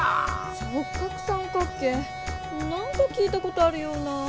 直角三角形なんか聞いたことあるような。